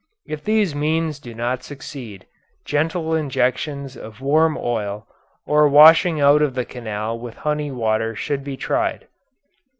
If these means do not succeed, gentle injections of warm oil or washing out of the canal with honey water should be tried.